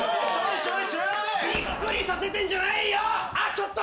ちょっと！